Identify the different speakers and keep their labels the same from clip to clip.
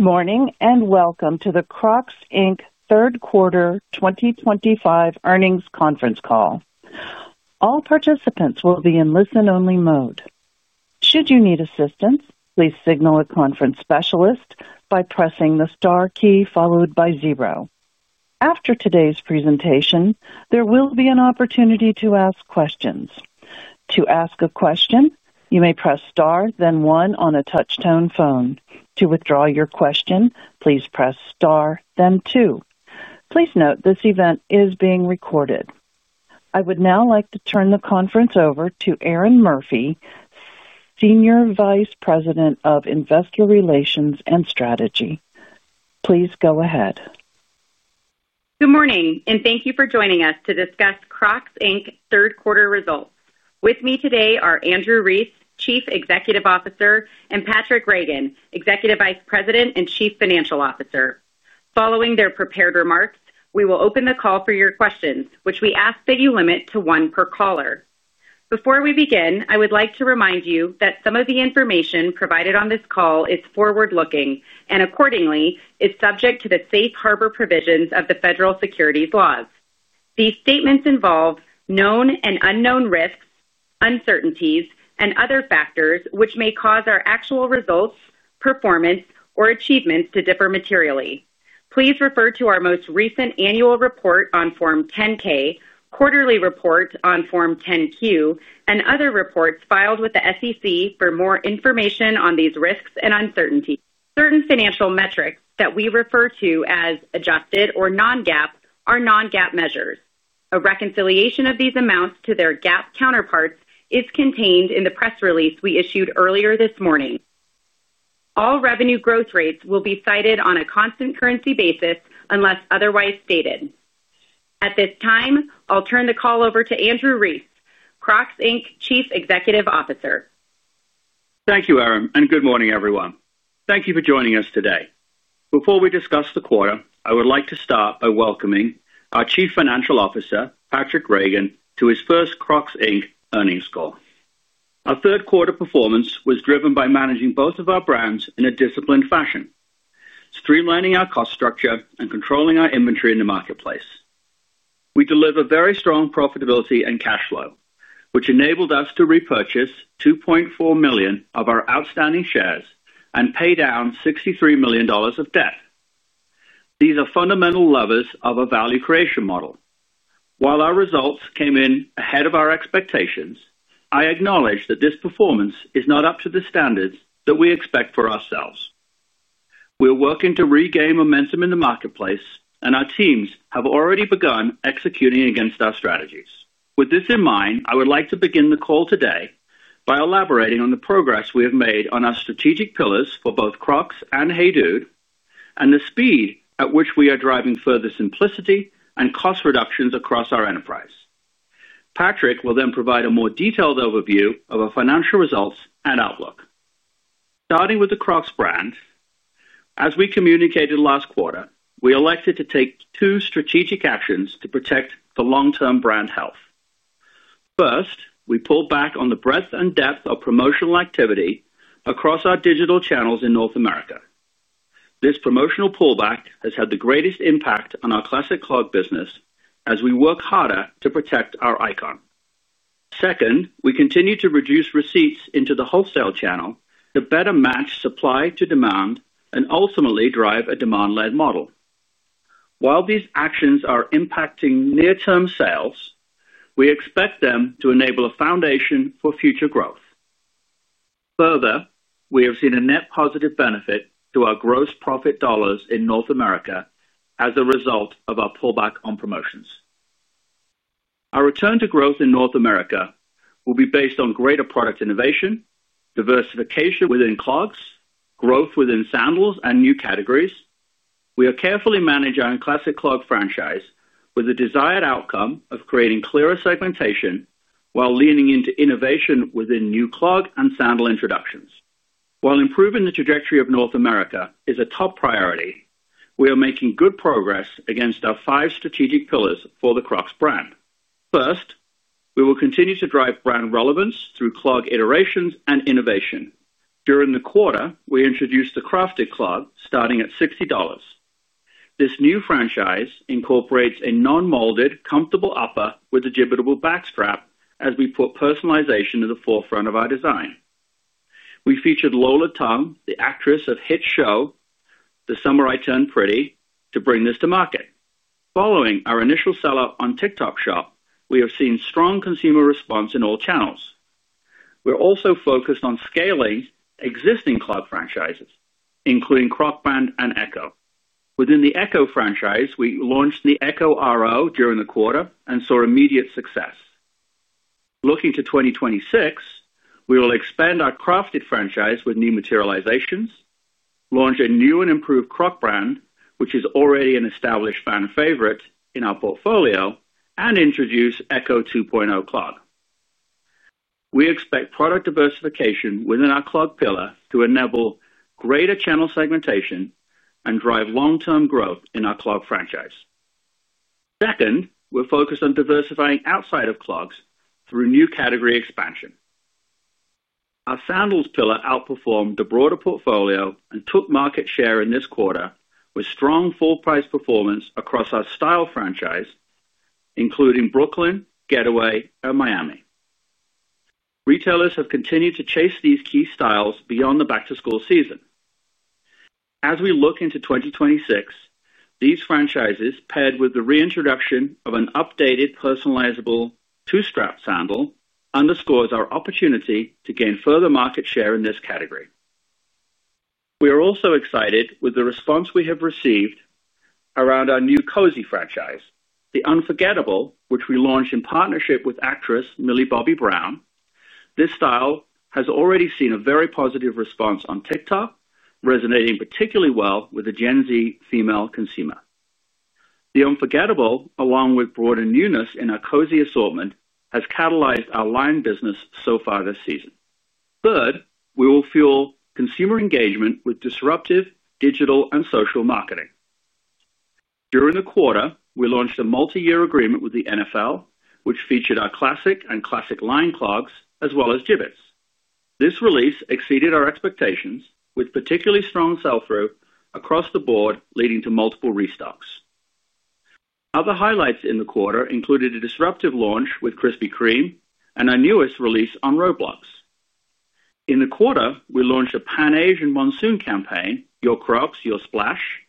Speaker 1: Good morning and welcome to the Crocs, Inc. third quarter 2025 earnings conference call. All participants will be in listen-only mode. Should you need assistance, please signal a conference specialist by pressing the star key followed by zero. After today's presentation, there will be an opportunity to ask questions. To ask a question, you may press star then one on a touch tone phone. To withdraw your question, please press star then two. Please note this event is being recorded. I would now like to turn the conference over to Erinn Murphy, Senior Vice President of Investor Relations and Strategy. Please go ahead.
Speaker 2: Good morning and thank you for joining us to discuss Crocs, Inc. third quarter results. With me today are Andrew Rees, Chief Executive Officer, and Patraic Reagan, Executive Vice President and Chief Financial Officer. Following their prepared remarks, we will open the call for your questions, which we ask that you limit to one per caller. Before we begin, I would like to remind you that some of the information provided on this call is forward looking and accordingly is subject to the safe harbor provisions of the federal securities laws. These statements involve known and unknown risks, uncertainties, and other factors which may cause our actual results, performance, or achievements to differ materially. Please refer to our most recent annual report on Form 10-K, quarterly report on Form 10-Q, and other reports filed with the SEC for more information on these risks and uncertainty. Certain financial metrics that we refer to as adjusted or non-GAAP are non-GAAP measures. A reconciliation of these amounts to their GAAP counterparts is contained in the press release we issued earlier this morning. All revenue growth rates will be cited on a constant currency basis unless otherwise stated. At this time, I'll turn the call over to Andrew Rees, Crocs, Inc. Chief Executive Officer.
Speaker 3: Thank you, Erinn, and good morning everyone. Thank you for joining us today. Before we discuss the quarter, I would like to start by welcoming our Chief Financial Officer, Patraic Reagan, to his first Crocs, Inc. earnings call. Our third quarter performance was driven by managing both of our brands in a disciplined fashion, streamlining our cost structure, and controlling our inventory in the marketplace. We delivered very strong profitability and cash flow, which enabled us to repurchase 2.4 million of our outstanding shares and pay down $63 million of debt. These are fundamental levers of a value creation model. While our results came in ahead of our expectations, I acknowledge that this performance is not up to the standards that we expect for ourselves. We're working to regain momentum in the marketplace, and our teams have already begun executing against our strategies. With this in mind, I would like to begin the call today by elaborating on the progress we have made on our strategic pillars for both Crocs and HEYDUDE and the speed at which we are driving further simplicity and cost reductions across our enterprise. Patraic will then provide a more detailed overview of our financial results and outlook. Starting with the Crocs brand, as we communicated last quarter, we elected to take two strategic actions to protect the long-term brand health. First, we pulled back on the breadth and depth of promotional activity across our digital channels in North America. This promotional pullback has had the greatest impact on our Classic Clog business as we work harder to protect our icon. Second, we continue to reduce receipts into the wholesale channel to better match supply to demand and ultimately drive a demand-led model. While these actions are impacting near-term sales, we expect them to enable a foundation for future growth. Further, we have seen a net positive benefit to our gross profit dollars in. North America as a result of our pullback on promotions. Our return to growth in North America will be based on greater product innovation, diversification within Clogs, growth within Sandals, and new categories. We are carefully managing the Classic Clog franchise with the desired outcome of creating clearer segmentation while leaning into innovation within new Clog and Sandal introductions. While improving the trajectory of North America is a top priority, we are making good progress against our five strategic pillars for the Crocs brand. First, we will continue to drive brand relevance through Clog iterations and innovation. During the quarter, we introduced the Crafted franchise. Starting at $60, this new franchise incorporates a non-molded comfortable upper with a Jibbitz-able back strap as we put personalization to the forefront of our design. We featured Lola Tung, the actress of hit show The Summer I Turned Pretty, to bring this to market. Following our initial sell-up on TikTok Shop, we are seeing strong consumer response in all channels. We're also focused on scaling existing club franchises, including Crocband and Echo within the Echo franchise. We launched the Echo RO during the quarter and saw immediate success. Looking to 2026, we will expand our Crafted franchise with new materializations, launch a new and improved Crocs brand which is already an established fan favorite in our portfolio, and introduce Echo RO Clog. We expect product diversification within our Clog pillar to enable greater channel segmentation and drive long-term growth in our Clog franchise. Second, we're focused on diversifying outside of Clogs through new category expansion. Our Sandals pillar outperformed the broader portfolio and took market share in this quarter with strong full-price performance across our style franchise, including Brooklyn, Getaway, and Miami. Retailers have continued to chase these key styles beyond the back-to-school season as we look into 2026. These franchises, paired with the reintroduction of an updated personalizable two-strap sandal, underscore our opportunity to gain further market share in this category. We are also excited with the response we have received around our new cozy franchise, the Unforgettable, which we launched in partnership with actress Millie Bobby Brown. This style has already seen a very positive response on TikTok, resonating particularly well with the Gen Z female consumer. The Unforgettable, along with broader newness in our cozy assortment, has catalyzed our line business so far this season. Third, we will fuel consumer engagement with disruptive digital and social marketing. During the quarter we launched a multi-year agreement with the NFL which featured our Classic and Classic Line Clogs as well as Jibbitz. This release exceeded our expectations with particularly strong sell-through across the board, leading to multiple restocks. Other highlights in the quarter included a disruptive launch with Krispy Kreme and our newest release on Roblox. In the quarter we launched a Pan Asian Monsoon campaign. You Crocs, You Splash.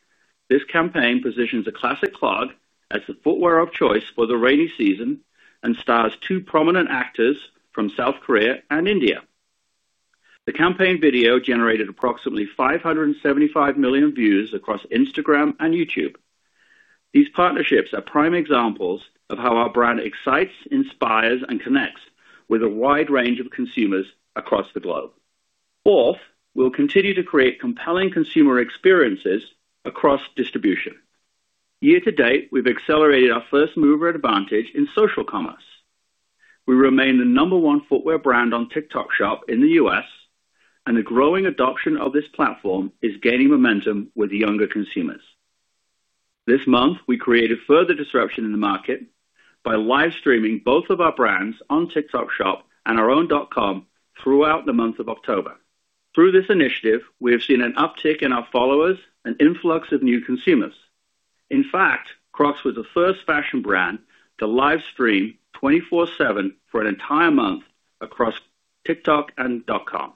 Speaker 3: This campaign positions a Classic Clog as the footwear of choice for the rainy season and stars two prominent actors from South Korea and India. The campaign video generated approximately 575 million views across Instagram and YouTube. These partnerships are prime examples of how our brand excites, inspires, and connects with a wide range of consumers across the globe. Fourth, we'll continue to create compelling consumer experiences across distribution. Year-to-date we've accelerated our first-mover advantage in social commerce. We remain the number one footwear brand on TikTok Shop in the U.S. and the growing adoption of this platform is gaining momentum with younger consumers. This month we created further disruption in the market by live streaming both of our brands on TikTok Shop and our own.com throughout the month of October. Through this initiative we have seen an uptick in our followers and influx of new consumers. In fact, Crocs was the first fashion brand to live stream 24/7 for an entire month across TikTok and dot com.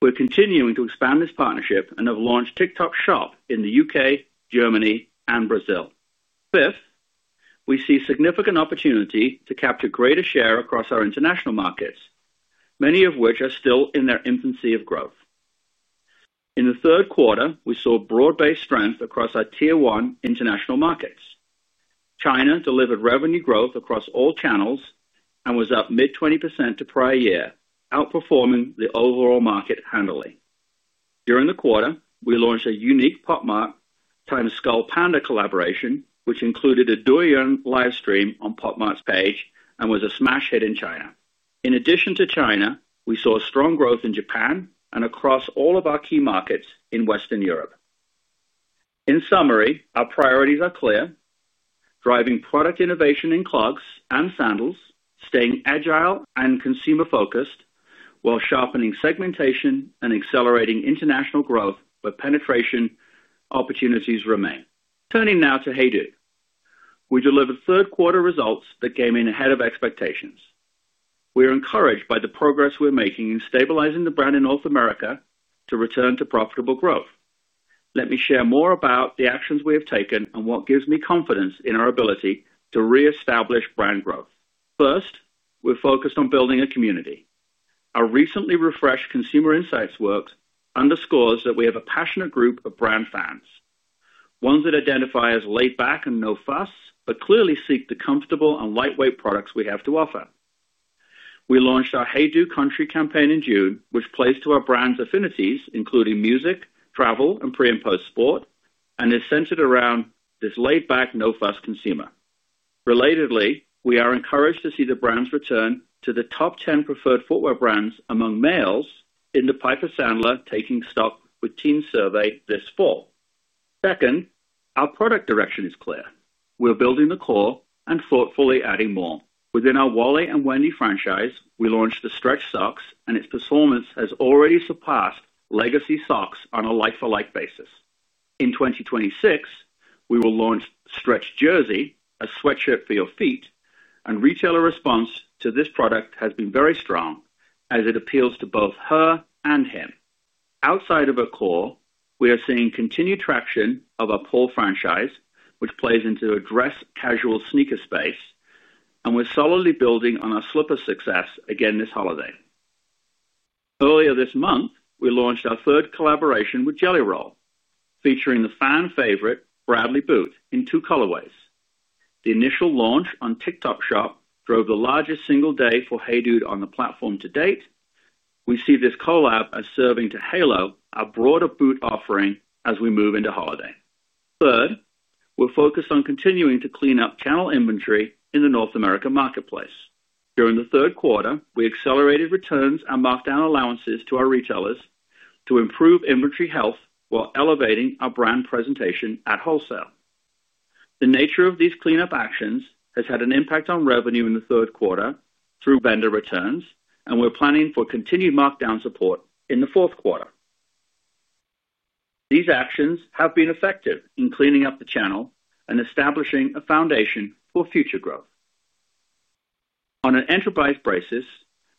Speaker 3: We're continuing to expand this partnership and have launched TikTok Shop in the U.K., Germany, and Brazil. Fifth, we see significant opportunity to capture greater share across our international markets, many of which are still in their infancy of growth. In the third quarter we saw broad-based strength across our tier one international markets. China delivered revenue growth across all channels and was up mid 20% to prior year, outperforming the overall market handily. During the quarter, we launched a unique Pop Mart x Skullpanda collaboration, which included a Douyin live stream on Pop Mart's page and was a smash hit in China. In addition to China, we saw strong growth in Japan and across all of our key markets in Western Europe. In summary, our priorities are clear: driving product innovation in clogs and sandals, staying agile and consumer focused while sharpening segmentation and accelerating international growth where penetration opportunities remain. Turning now to HEYDUDE, we delivered third quarter results that came in ahead of expectations. We are encouraged by the progress we're making in stabilizing the brand in North America to return to profitable growth. Let me share more about the actions we have taken and what gives me confidence in our ability to reestablish brand growth. First, we're focused on building a community. Our recently refreshed Consumer Insights work underscores that we have a passionate group of brand fans, ones that identify as laid back and no fuss, but clearly seek the comfortable and lightweight products we have to offer. We launched our HEYDUDE Country campaign in June, which plays to our brand's affinities including music, travel, and pre and post sport, and is centered around this laid back, no fuss consumer. Relatedly, we are encouraged to see the brand's return to the top 10 preferred footwear brands among males in the Piper Sandler Taking Stock With Teens survey this fall. Second, our product direction is clear. We are building the core and thoughtfully adding more within our Wally and Wendy franchise. We launched the Stretch Socks and its performance has already surpassed legacy socks on a like-for-like basis. In 2026 we will launch Stretch Jersey, a sweatshirt for your feet, and retailer response to this product has been very strong as it appeals to both her and him. Outside of our core, we are seeing continued traction of our Paul franchise, which plays into a dress casual sneaker space, and we're solidly building on our slip-on success again this holiday. Earlier this month we launched our third collaboration with Jelly Roll, featuring the fan favorite Bradley Boot in two colorways. The initial launch on TikTok Shop drove the largest single day for HEYDUDE on the platform to date. We see this collab as serving to halo our broader boot offering as we move into holiday. Third, we're focused on continuing to clean up channel inventory in the North America marketplace. During the third quarter, we accelerated returns and markdown allowances to our retailers to improve inventory health while elevating our brand presentation at wholesale. The nature of these cleanup actions has had an impact on revenue in the third quarter through vendor returns, and we're planning for continued markdown support in the fourth quarter. These actions have been effective in cleaning up the channel and establishing a foundation for future growth on an enterprise basis.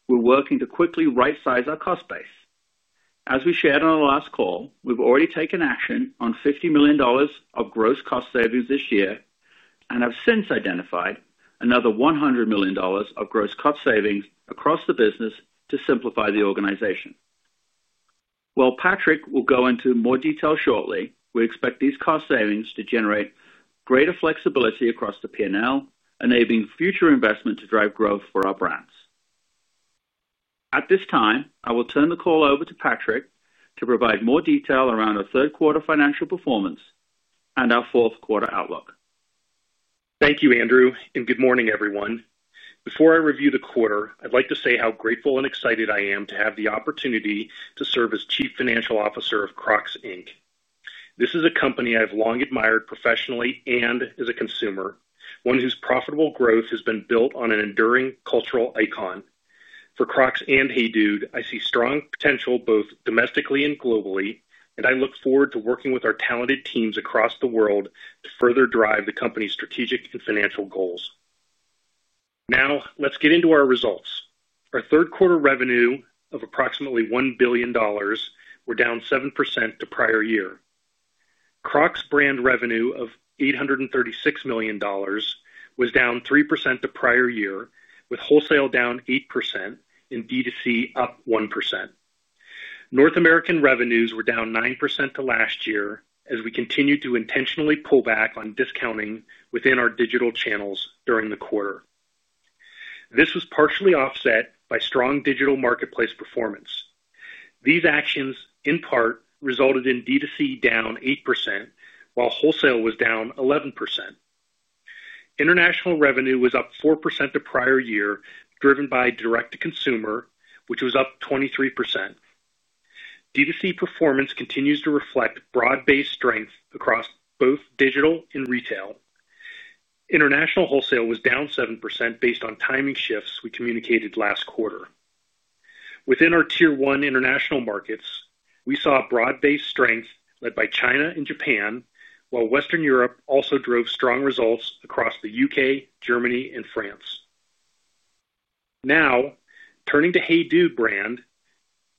Speaker 3: We're working to quickly right size our cost base. As we shared on our last call, we've already taken action on $50 million of gross cost savings this year and have since identified another $100 million of gross cost savings across the business to simplify the organization. While Patraic will go into more detail shortly, we expect these cost savings to generate greater flexibility across the P&L, enabling future investment to drive growth for our brands. At this time, I will turn the call over to Patraic to provide more detail around our third quarter financial performance and our fourth quarter outlook.
Speaker 4: Thank you, Andrew, and good morning, everyone. Before I review the quarter, I'd like to say how grateful and excited I am to have the opportunity to serve as Chief Financial Officer of Crocs, Inc. This is a company I've long admired professionally and as a consumer, one whose profitable growth has been built on an enduring cultural icon for Crocs and HEYDUDE. I see strong potential both domestically and globally, and I look forward to working with our talented teams across the world to further drive the company's strategic and financial goals. Now let's get into our results. Our third quarter revenue of approximately $1 billion was down 7% to prior year. Crocs brand revenue of $836 million was down 3% to the prior year, with wholesale down 8% and D2C up 1%. North American revenues were down 9% to last year as we continue to intentionally pull back on discounting within our digital channels during the quarter. This was partially offset by strong digital marketplace performance. These actions in part resulted in D2C down 8% while wholesale was down 11%. International revenue was up 4% to the prior year, driven by direct-to-consumer, which was up 23%. D2C performance continues to reflect broad-based strength across both digital and retail. International wholesale was down 7% based on timing shifts we communicated last quarter. Within our Tier 1 international markets, we saw broad-based strength led by China and Japan, while Western Europe also drove strong results across the U.K., Germany, and France. Now turning to HEYDUDE. Brand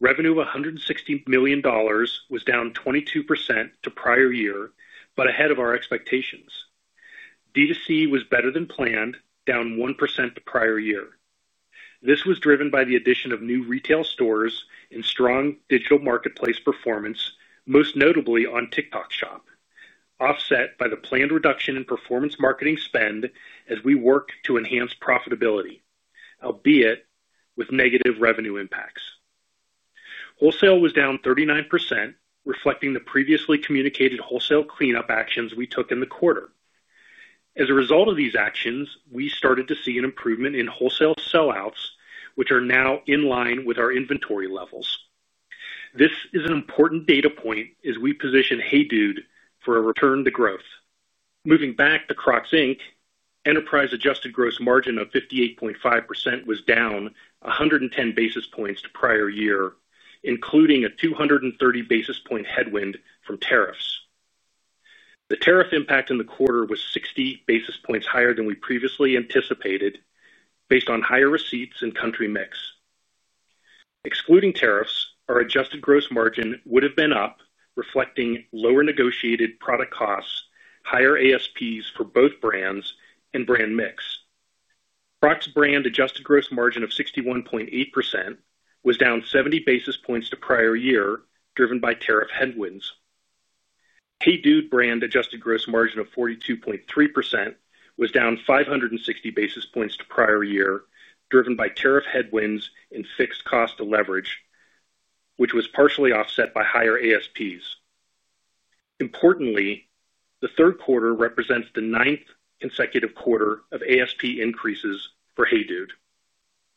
Speaker 4: revenue of $160 million was down 22% to prior year, but ahead of our expectations. D2C was better than planned, down 1% to the prior year. This was driven by the addition of new retail stores and strong digital marketplace performance, most notably on TikTok Shop, offset by the planned reduction in performance marketing spend as we work to enhance profitability, albeit with negative revenue impacts. Wholesale was down 39%, reflecting the previously communicated wholesale cleanup actions we took in the quarter. As a result of these actions, we started to see an improvement in wholesale sellouts, which are now in line with our inventory levels. This is an important data point as we position HEYDUDE for a return to growth. Moving back to Crocs, Inc. Enterprise adjusted gross margin of 58.5% was down 110 basis points to prior year, including a 230 basis point headwind from tariffs. The tariff impact in the quarter was 60 basis points higher than we previously anticipated based on higher receipts and country mix. Excluding tariffs, our adjusted gross margin would have been up, reflecting lower negotiated product costs, higher ASPs for both brands, and brand mix. Crocs brand adjusted gross margin of 61.8% was down 70 basis points to prior year, driven by tariff headwinds. HEYDUDE brand adjusted gross margin of 42.3% was down 560 basis points to prior year, driven by tariff headwinds and fixed cost deleverage, which was partially offset by higher ASPs. Importantly, the third quarter represents the ninth consecutive quarter of ASP increases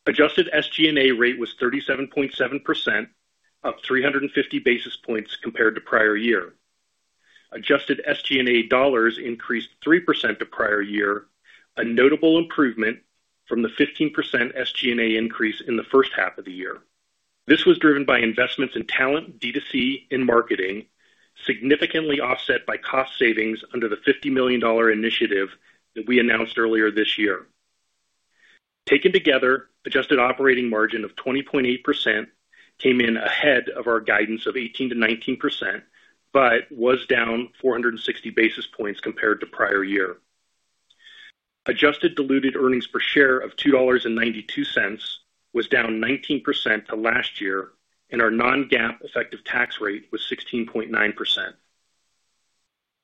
Speaker 4: for HEYDUDE. Adjusted SG&A rate was 37.7%, up 350 basis points compared to prior year. Adjusted SG&A dollars increased 3% to prior year, a notable improvement from the 15% SG&A increase in the first half of the year. This was driven by investments in talent, D2C, and marketing, significantly offset by cost savings under the $50 million initiative that we announced earlier this year. Taken together, adjusted operating margin of 20.8% came in ahead of our guidance of 18%-19% but was down 460 basis points compared to prior year. Adjusted diluted earnings per share of $2.92 was down 19% to last year, and our non-GAAP effective tax rate was 16.9%.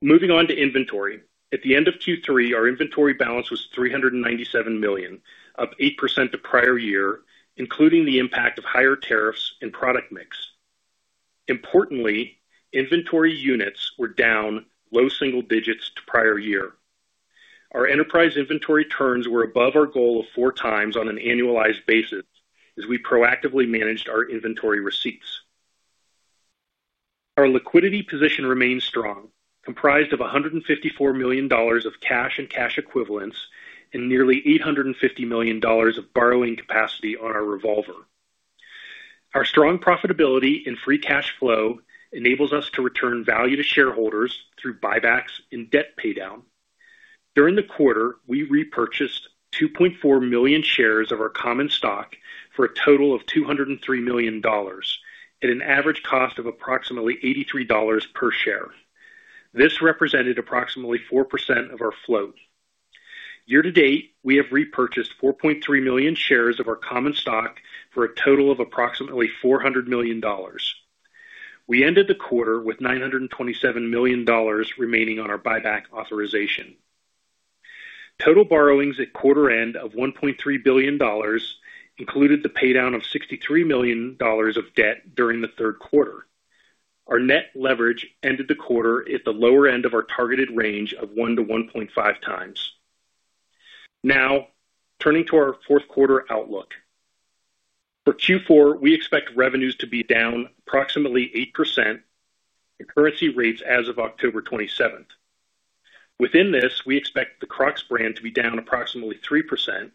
Speaker 4: Moving on to inventory, at the end of Q3, our inventory balance was $397 million, up 8% to prior year, including the impact of higher tariffs and product mix. Importantly, inventory units were down low single digits to prior year. Our enterprise inventory turns were above our goal of 4x on an annualized basis as we proactively managed our inventory receipts. Our liquidity position remains strong, comprised of $154 million of cash and cash equivalents and nearly $850 million of borrowing capacity on our revolver. Our strong profitability and free cash flow enables us to return value to shareholders through buybacks and debt paydown. During the quarter, we repurchased 2.4 million shares of our common stock for a total of $203 million and an average cost of approximately $83 per share. This represented approximately 4% of our float. Year to date, we have repurchased 4.3 million shares of our common stock for a total of approximately $400 million. We ended the quarter with $927 million remaining on our buyback authorization. Total borrowings at quarter end of $1.3 billion included the paydown of $63 million of debt during the third quarter. Our net leverage ended the quarter at the lower end of our targeted range of 1x-1.5x. Now turning to our fourth quarter outlook for Q4, we expect revenues to be down approximately 8% at currency rates as of October 27th. Within this, we expect the Crocs brand to be down approximately 3%,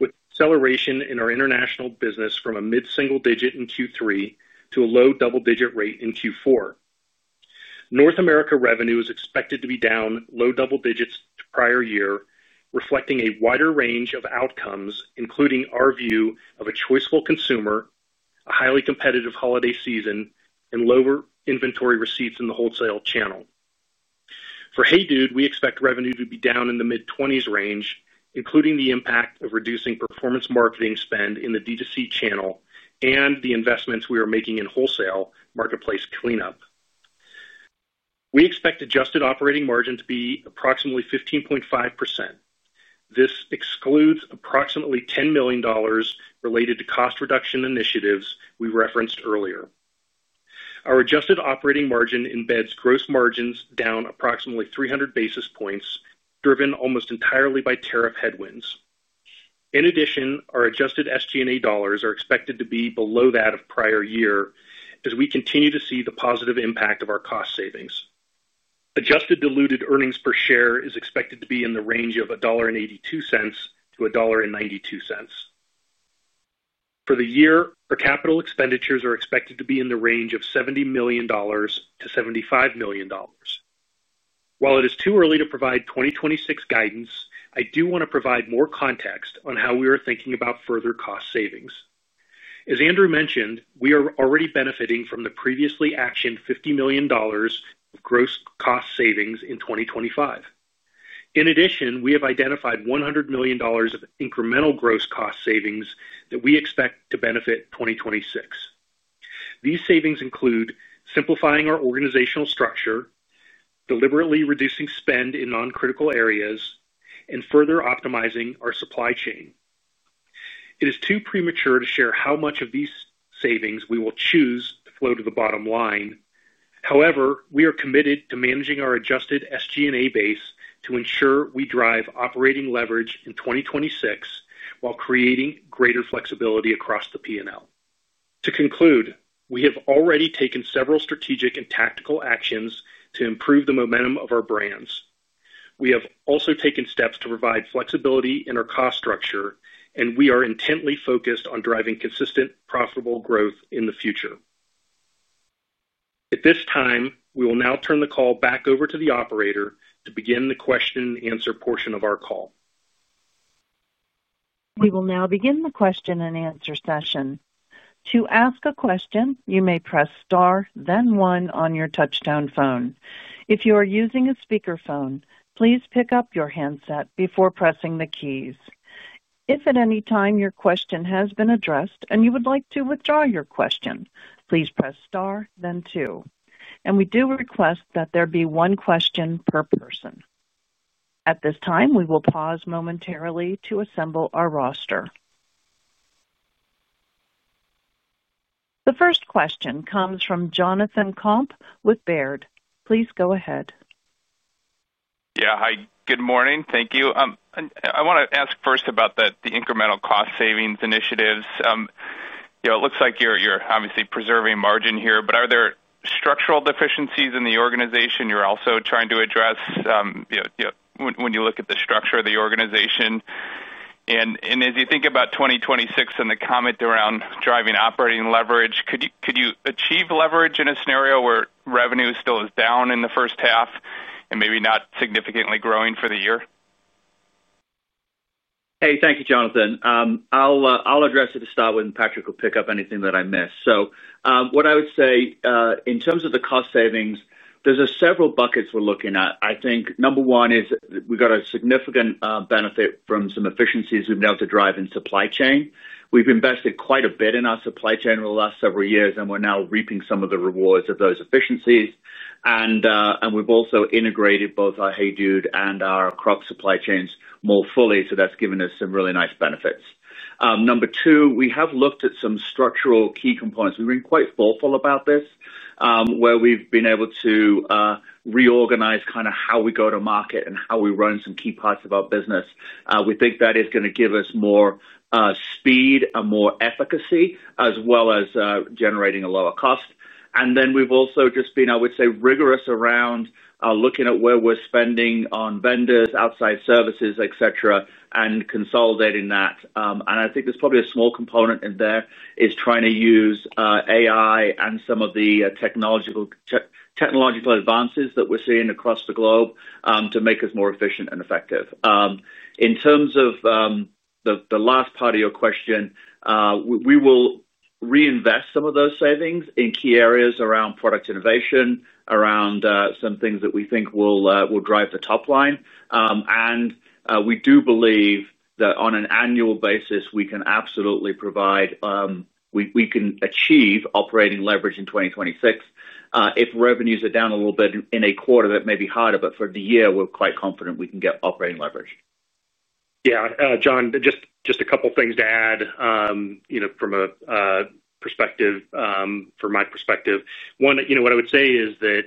Speaker 4: with acceleration in our international business from a mid single digit in Q3 to a low double digit rate in Q4. North America revenue is expected to be down low double digits to prior year, reflecting a wider range of outcomes including our view of a choiceful consumer, a highly competitive holiday season, and lower inventory receipts in the wholesale channel. For HEYDUDE, we expect revenue to be down in the mid-20% range, including the impact of reducing performance marketing spend in the D2C channel and the investments we are making in wholesale marketplace cleanup. We expect adjusted operating margin to be approximately 15.5%. This excludes approximately $10 million related to cost reduction initiatives we referenced earlier. Our adjusted operating margin embeds gross margins down approximately 300 basis points, driven almost entirely by tariff headwinds. In addition, our adjusted SG&A dollars are expected to be below that of prior year as we continue to see the positive impact of our cost savings. Adjusted diluted earnings per share is expected to be in the range of $1.82-$1.92 for the year. Our capital expenditures are expected to be in the range of $70 million-$75 million. While it is too early to provide 2026 guidance, I do want to provide more context on how we are thinking about further cost savings. As Andrew mentioned, we are already benefiting from the previously actioned $50 million of gross cost savings in 2025. In addition, we have identified $100 million of incremental gross cost savings that we expect to benefit 2026. These savings include simplifying our organizational structure, deliberately reducing spend in non-critical areas, and further optimizing our supply chain. It is too premature to share how much of these savings we will choose to flow to the bottom line. However, we are committed to managing our adjusted SG&A base to ensure we drive operating leverage in 2026 while creating greater flexibility across the P&L. To conclude, we have already taken several strategic and tactical actions to improve the momentum of our brands. We have also taken steps to provide flexibility in our cost structure, and we are intently focused on driving consistent, profitable growth in the future. At this time, we will now turn the call back over to the operator to begin the question and answer portion of our call.
Speaker 1: We will now begin the question and answer session. To ask a question, you may press star then one on your touchtone phone. If you are using a speakerphone, please pick up your handset before pressing the keys. If at any time your question has been addressed and you would like to withdraw your question, please press star then two. We do request that there be one question per person at this time. We will pause momentarily to assemble our roster. The first question comes from Jonathan Komp with Baird. Please go ahead.
Speaker 5: Yeah, hi, good morning. Thank you. I want to ask first about the incremental cost savings initiatives. It looks like you're obviously preserving margin here, but are there structural deficiencies in the organization you're also trying to address when you look at the structure of the organization, and as you think about 2026 and the comment around driving operating leverage, could you achieve leverage in a scenario where revenue still is down in the first half and maybe not significantly growing for the year?
Speaker 3: Hey, thank you, Jonathan. I'll address it to start with, and Patraic will pick up anything that I missed. What I would say in terms. Of the cost savings, there's several. Buckets we're looking at, I think number one is we've got a significant benefit from some efficiencies we've now driven in supply chain. We've invested quite a bit in our supply chain over the last several years, and we're now reaping some of the rewards of those efficiencies. We've also integrated both our HEYDUDE and our Crocs supply chains more fully, so that's given us some really nice benefits. Number two, we have looked at some structural key components. We've been quite thoughtful about this, where we've been able to reorganize how we go to market and how we run some key parts of our business. We think that is going to give us more speed and more efficacy as well as generating a lower cost. We've also just been, I would say, rigorous around looking at where we're spending on vendors, outside services, et cetera, and consolidating that. I think there's probably a small component in there in trying to use AI and some of the technological advances that we're seeing across the globe to make us more efficient and effective. In terms of the last part of your question, we will reinvest some of those savings in key areas around product innovation, around some things that we think will drive the top line. We do believe that on an annual basis we can absolutely provide, we can achieve operating leverage in 2026. If revenues are down a little bit in a quarter, that may be harder, but for the year we're quite confident we can get operating leverage.
Speaker 4: Yeah, Jonathan, just a couple things. To add, from my perspective, what I would say is that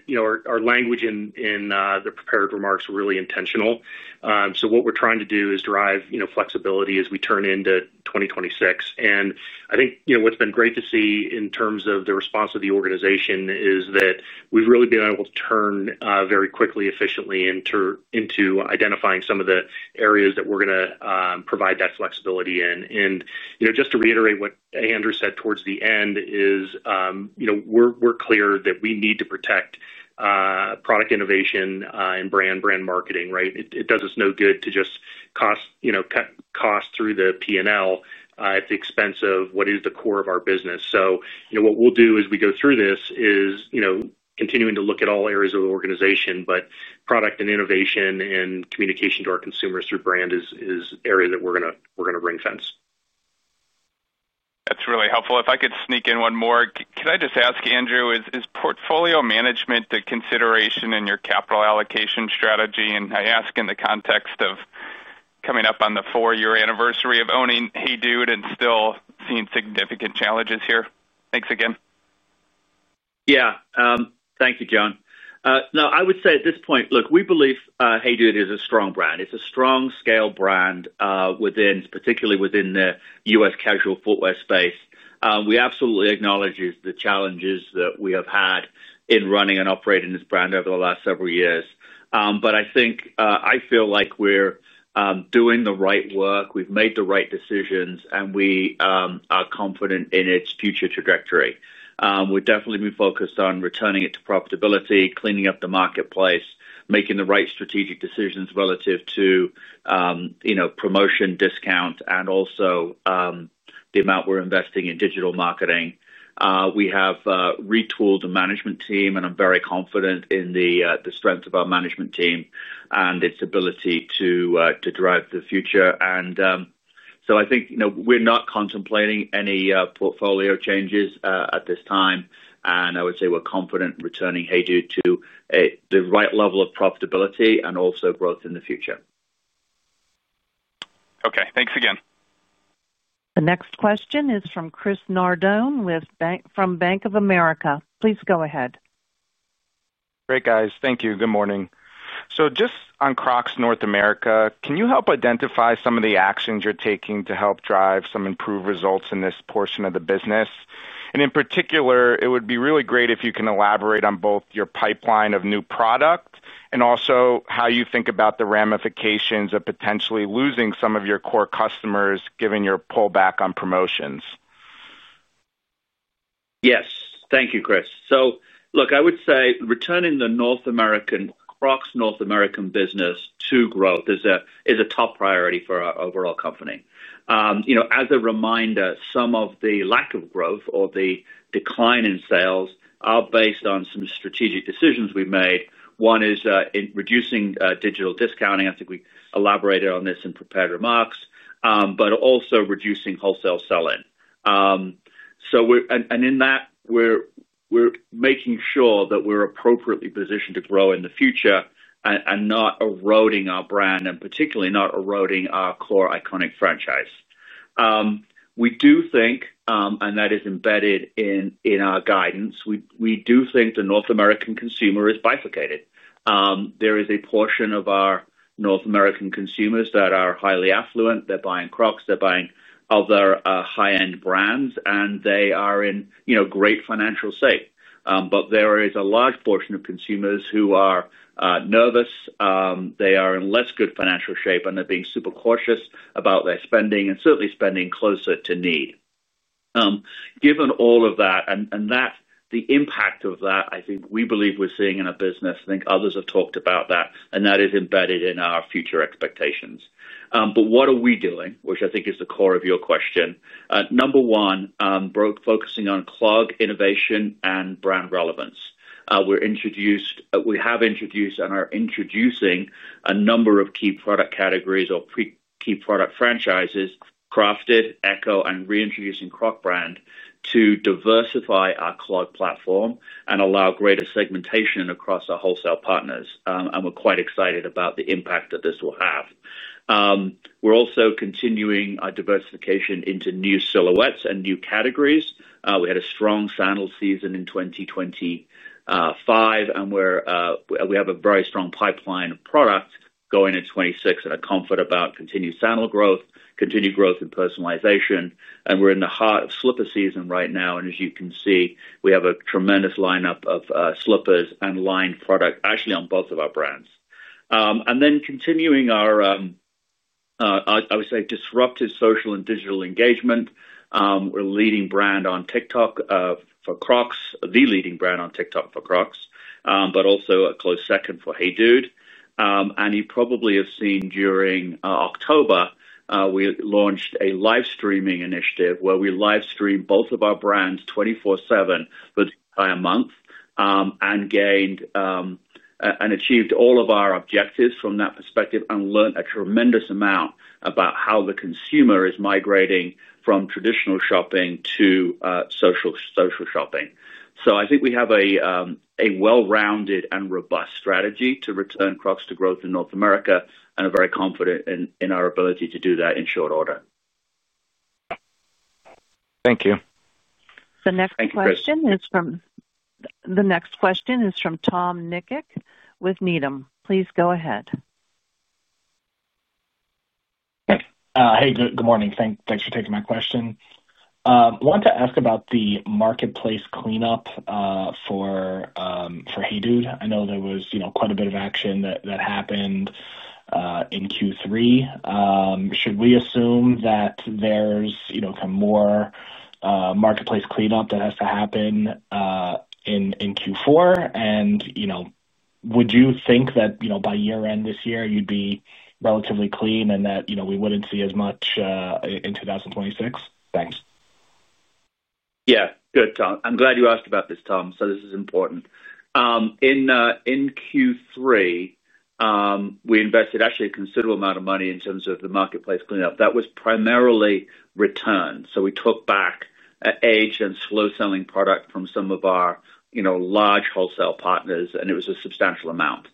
Speaker 4: our language in the prepared remarks is really intentional. What we're trying to do is drive flexibility as we turn into 2026. I think what's been great to see in terms of the response of the organization is that we've really been able to turn very quickly and efficiently into identifying some of the areas that we're going to provide that flexibility in. Just to reiterate what Andrew said towards the end, we're clear that we need to protect product innovation and brand marketing. It does us no good to just cut cost at the expense of what is the core of our business. What we'll do as we go through this is continue to look at all areas of the organization, but product and innovation and communication to our consumers through brand is the area that we're going to ring-fence.
Speaker 5: That's really helpful. If I could sneak in one more. Can I just ask Andrew, is portfolio management a consideration in your capital allocation strategy? I ask in the context of coming up on the four year anniversary of owning HEYDUDE and still seeing significant challenges here. Thanks again.
Speaker 3: Yeah, thank you, Jonathan. I would say at this point. Look, we believe HEYDUDE is a strong brand. It's a strong scale brand, particularly within the U.S. casual footwear space. We absolutely acknowledge the challenges that we have had in running and operating this brand over the last several years. I think I feel like we're doing the right work. We've made the right decisions, and we are confident in its future trajectory. We're definitely focused on returning it to profitability, cleaning up the marketplace, making the right strategic decisions relative to promotion, discount, and also the amount we're investing in digital marketing. We have retooled the management team, and I'm very confident in the strength of our management team and its ability to drive the future. I think we're not contemplating any portfolio changes at this time. I would say we're confident returning HEYDUDE to the right level of profitability and also growth in the future.
Speaker 5: Okay, thanks again.
Speaker 1: The next question is from Chris Nardone from Bank of America. Please go ahead.
Speaker 6: Great, guys, thank you. Good morning. On Crocs North America, can you help identify some of the actions you're taking to help drive some improved results in this portion of the business? In particular, it would be really great if you can elaborate on both your pipeline of new product and also how you think about the ramifications of potentially losing some of your core customers given your pullback on promotions.
Speaker 3: Yes, thank you, Chris. I would say returning the North American Crocs North American business to growth is a top priority for our overall company. As a reminder, some of the lack of growth or the decline in sales are based on some strategic decisions we've made. One is reducing digital discounting. I think we elaborated on this in prepared remarks, but also reducing wholesale selling. In that, we're making sure that we're appropriately positioned to grow in the future and not eroding our brand and particularly not eroding our core iconic franchise. We do think, and that is embedded in our guidance, we do think the North American consumer is bifurcated. There is a portion of our North American consumers that are highly affluent. They're buying Crocs, they're buying other high end brands, and they are in great financial shape. There is a large portion of consumers who are nervous. They are in less good financial shape, and they're being super cautious about their spending and certainly spending closer to need. Given all of that and the impact of that, I think we believe we're seeing in our business, others have talked about that, and that is embedded in our future expectations. What are we doing, which I think is the core of your question? Number one, focusing on clog innovation and brand relevance. We've introduced and are introducing a number of key product categories or key product franchises, Crafted, Echo, and reintroducing Crocs brand to diversify our clog platform and allow greater segmentation across our wholesale partners. We're quite excited about the impact that this will have. We're also continuing our diversification into new silhouettes and new categories. We had a strong sandal season in 2025, and we have a very strong pipeline of product going in 2026 and a comfort about continued sandal growth, continued growth in personalization. We're in the heart of slipper season right now, and as you can see, we have a tremendous lineup of slippers and line product actually on both of our brands. Continuing our, I would say, disruptive social and digital engagement, we're leading brand on TikTok for Crocs, the leading brand on TikTok for Crocs, but also a close second for HEYDUDE. You probably have seen during October we launched a live streaming initiative where we live stream both of our brands 24/7 by a month and achieved all of our objectives from that perspective and learned a tremendous amount about how the consumer is migrating from traditional shopping to social shopping. I think we have a well-rounded and robust strategy to return Crocs to growth in North America and are very confident in our ability to do that in short order.
Speaker 6: Thank you.
Speaker 1: The next question is from Tom Nikic with Needham. Please go ahead.
Speaker 7: Hey, good morning. Thanks for taking my question. I want to ask about the marketplace cleanup for HEYDUDE. I know there was quite a bit of action that happened in Q3. Should we assume that there's more marketplace cleanup that has to happen in Q4? Would you think that by year end this year you'd be relatively clean? We wouldn't see as much in 2026? Thanks.
Speaker 3: Yeah, good, Tom. I'm glad you asked about this, Tom. This is important. In Q3 we invested actually a considerable amount of money in terms of the marketplace cleanup that was primarily return. We took back aged and slow selling product from some of our large wholesale partners, and it was a substantial amount.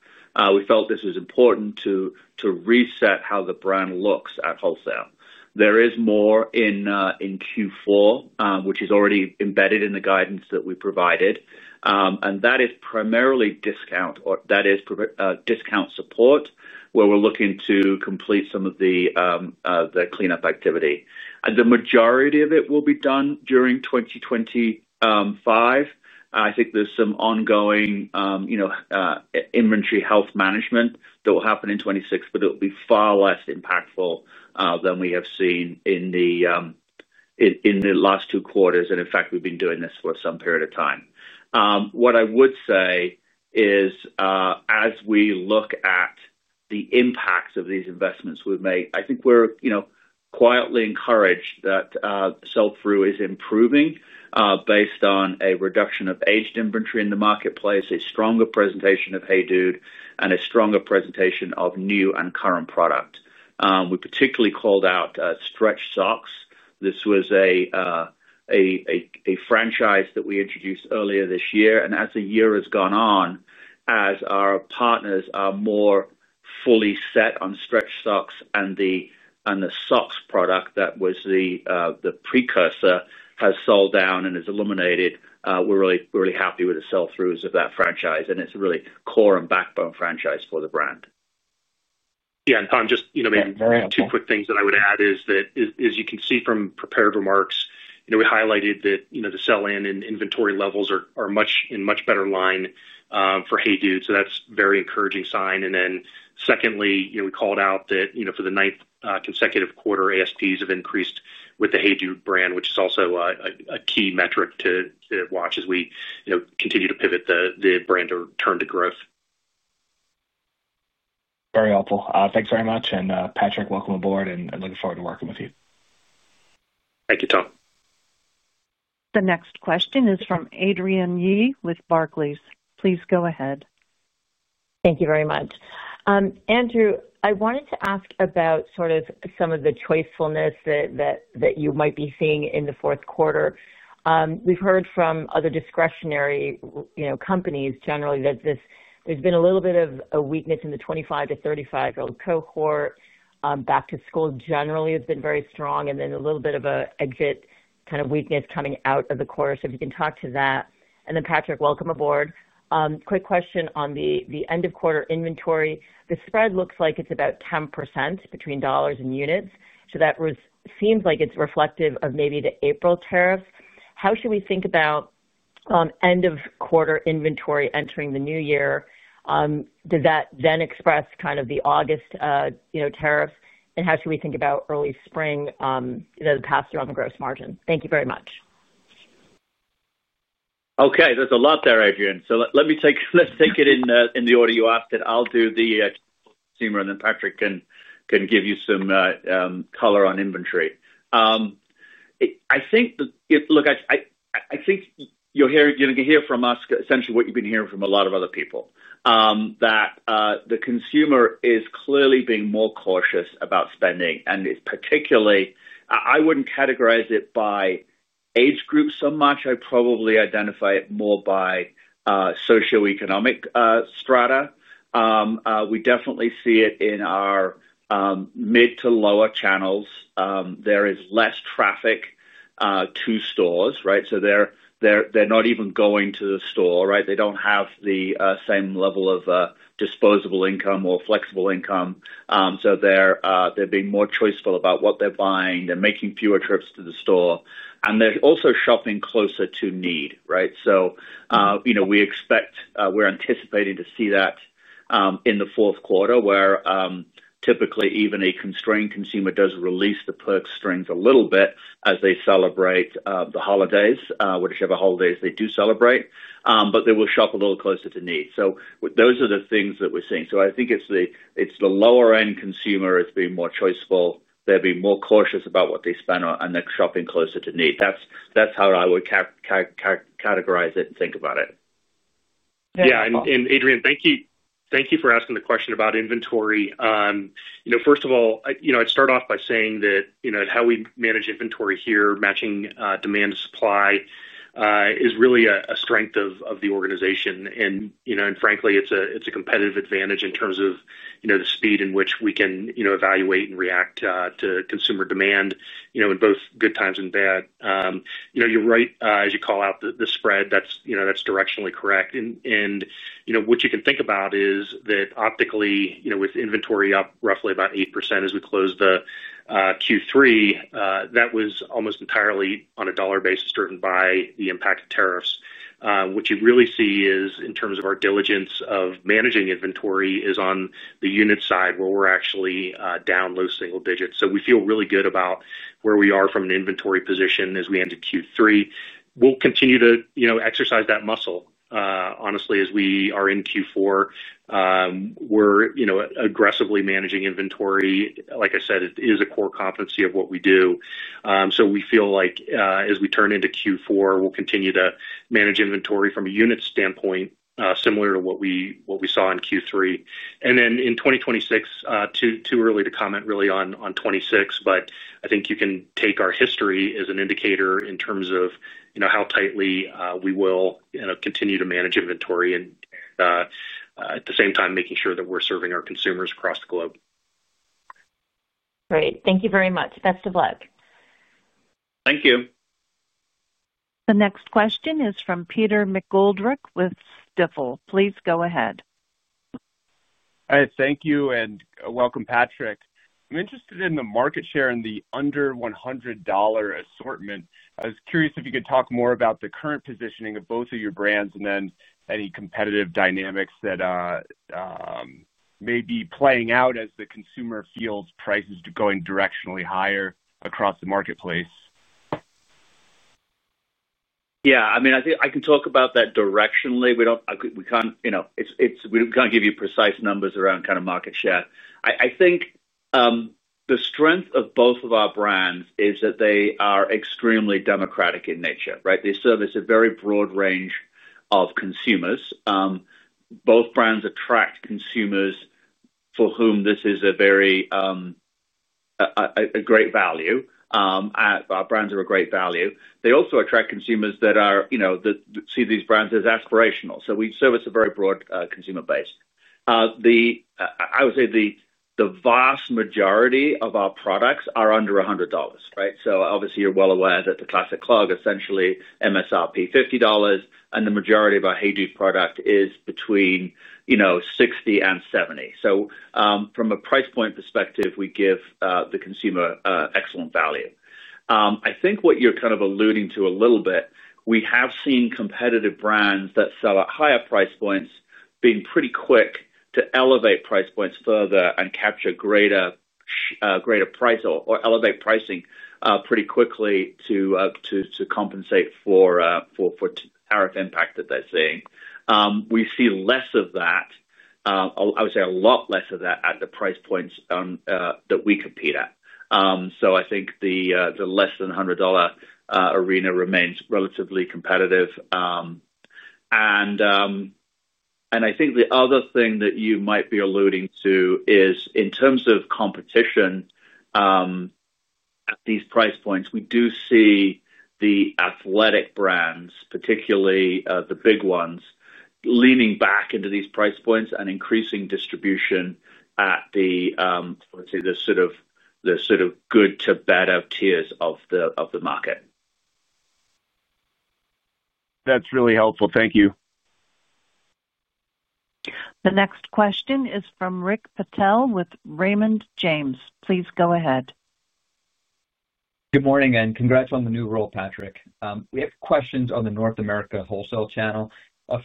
Speaker 3: We felt this is important to reset how the brand looks at wholesale. There is more in Q4, which is already embedded in the guidance that we provided. That is primarily discount support where we're looking to complete some of the cleanup activity. The majority of it will be during 2025. I think there's some ongoing, you know, inventory health management that will happen in 2026, but it will be far less impactful than we have seen in the last two quarters. In fact, we've been doing this for some period of time. What I would say is as we look at the impacts of these investments we've made, I think we're, you know, quietly encouraged that sell through is improving based on a reduction of aged inventory in the marketplace, a stronger presentation of HEYDUDE, and a stronger presentation of new and current product. We particularly called out Stretch Socks. This was a franchise that we introduced earlier this year, and as the year has gone on, as our partners are more fully set on Stretch Socks and the SOX product that was the precursor has sold down and is eliminated. We're really happy with the sell-throughs. Of that franchise, and it's a really core and backbone franchise for the brand.
Speaker 4: Yeah. Tom, just maybe two quick things that I would add is that as you can see from prepared remarks, we highlighted that the sell-in and inventory levels are in much better line for HEYDUDE. That's a very encouraging sign. Secondly, we called out that for the ninth consecutive quarter, ASPs have increased with the HEYDUDE brand, which is also a key metric to watch as we continue to pivot the brand to turn to growth.
Speaker 7: Very helpful. Thanks very much, and Patraic, welcome aboard. am looking forward to working with you.
Speaker 4: Thank you, Tom.
Speaker 1: The next question is from Adrienne Yih with Barclays. Please go ahead.
Speaker 8: Thank you very much. Andrew. I wanted to ask about sort of some of the choicefulness that you might be seeing in the fourth quarter. We've heard from other discretionary companies generally that there's been a little bit of a weakness in the 25 year-35 year old cohort. Back to school generally has been very strong, and then a little bit of an exit kind of weakness coming out of the course, if you can talk to that. Patraic, welcome aboard. Quick question. On the end of quarter inventory, the spread looks like it's about 10% between dollars and units. That seems like it's reflective of maybe the April tariffs. How should we think about end of quarter inventory entering the new year? Does that then express kind of the August tariffs, and how should we think about early spring pass through on the gross margin? Thank you very much.
Speaker 3: Okay. There's a lot there, Adrienne. Let me take it in the order you asked it. I'll do the seamer, and then Patraic can give you some color on inventory. I think you're here, you hear. From us, essentially what you've been hearing from a lot of other people is that the consumer is clearly being more cautious about spending. It's particularly, I wouldn't categorize it by age group so much. I probably identify it more by socioeconomic strata. We definitely see it in our mid to lower channels. There is less traffic to stores, right? They're not even going to the store. Right. They don't have the same level of disposable income or flexible income. They're being more choiceful about what they're buying, they're making fewer trips to the store, and they're also shopping closer to need. We expect, we're anticipating to see that in the fourth quarter where typically even a constrained consumer does release the purse strings a little bit as they celebrate the holidays, whichever holidays they do celebrate, but they will shop a little closer to need. Those are the things that we're seeing. I think it's the lower end consumer, it's being more choiceful, they'll be more cautious about what they spend on, and they're shopping closer to need. That's how I would categorize it and think about it.
Speaker 4: Yeah. Adrienne, thank you, thank you for. Asking the question about inventory. First of all, you know. I'd start off by saying that how we manage inventory here, matching demand and supply, is really a strength of the organization. Frankly, it's a competitive advantage in terms of the speed in which we can evaluate and react to consumer demand, both in good times and bad. You're right as you call out the spread, that's directionally correct. What you can think about is that optically, with inventory up roughly about 8% as we close Q3, that was almost entirely on a dollar basis, driven by the impact of tariffs. What you really see in terms of our diligence of managing inventory is on the unit side, where we're actually down low single digits. We feel really good about where we are from an inventory position as we close Q3. We'll continue to exercise that muscle. Honestly, as we are in Q4, we're aggressively managing inventory. Like I said, it is a core competency of what we do. We feel like as we turn into Q4, we'll continue to manage inventory from a unit standpoint similar to what we saw in Q3 and then in 2026. Too early to comment really on 2026, but I think you can take our history as an indicator in terms of how tightly we will continue to manage inventory and at the same time making sure that we're serving our consumers across the globe.
Speaker 8: Great. Thank you very much. Best of luck.
Speaker 3: Thank you.
Speaker 1: The next question is from Peter McGoldrick with Stifel. Please go ahead.
Speaker 9: Thank you, and welcome. Patraic, I'm interested in the market share. In the under $100 assortment. I was curious if you could talk more about the current positioning of both of your brands and then any competitive dynamics that may be playing out as the consumer feels prices going directionally higher across the marketplace.
Speaker 3: I think I can talk about that directionally. We can't give you precise numbers around kind of market share. I think the strength of both of our brands is that they are extremely democratic in nature. They service a very broad range of consumers. Both brands attract consumers for whom this is a very great value. Our brands are a great value. They also attract consumers that see these brands as aspirational. We service a very broad consumer base. I would say the vast majority of our products are under $100. Right. You're well aware that the Classic Clog, essentially MSRP $50, and the majority of our HEYDUDE product is between, you know, $60 and $70. From a price point perspective, we give the consumer excellent value. I think what you're kind of alluding. To a little bit, we have seen. Competitive brands that sell at higher price points have been pretty quick to elevate price points further and capture greater price or elevate pricing pretty quickly to compensate for tariff impact that they're seeing. We see less of that, I would say a lot less of that at the price points that we compete at. I think the less than $100 arena remains relatively competitive. I think the other thing that you might be alluding to is in terms of competition at these price points, we do see the athletic brands, particularly the big ones, leaning back into these price points and increasing distribution at the sort of good to better tiers of the market.
Speaker 9: That's really helpful. Thank you.
Speaker 1: The next question is from Rick Patel with Raymond James. Please go ahead.
Speaker 10: Good morning and congrats on the new role. Patraic, we have questions on the North America wholesale channel.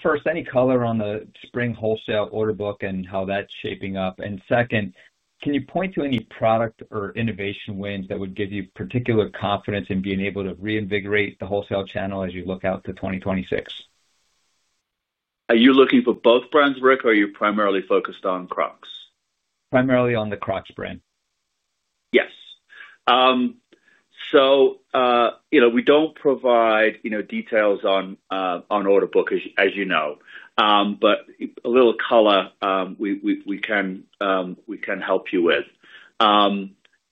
Speaker 10: First, any color on the spring wholesale order book and how that's shaping up. Second, can you point to any product or innovation wins that would give you particular confidence in being able to reinvigorate the wholesale channel as you look out to 2026.
Speaker 3: Are you looking for both brands, Rick? Are you primarily focused on Crocs?
Speaker 10: Primarily on the Crocs brand,
Speaker 3: Yes. We don't provide details on order book, as you know, but a little color we can help you with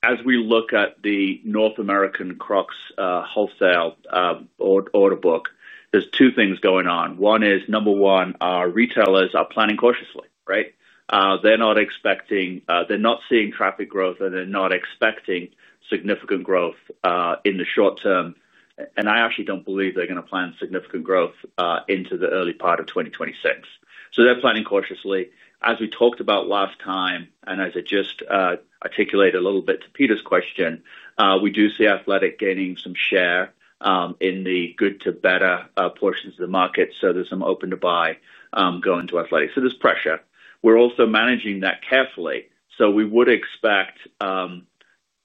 Speaker 3: as we look at the North American Crocs wholesale order book. There are two things going on. One is, number one, retailers are planning cautiously, right? They're not expecting, they're not seeing traffic growth and they're not expecting significant growth in the short term. I actually don't believe they're going to plan significant growth into the early part of 2026. They're planning cautiously. As we talked about last time and as I just articulated a little bit to Peter's question, we do see athletic gaining some share in the good to better portions of the market. There's some open to buy going to athletics. There is pressure. We're also managing that carefully. We would expect,